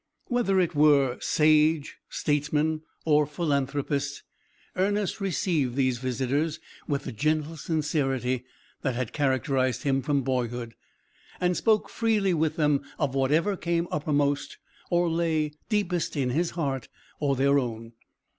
Whether it were sage, statesman, or philanthropist, Ernest received these visitors with the gentle sincerity that had characterised him from boyhood, and spoke freely with them of whatever came uppermost, or lay deepest in his heart or their own.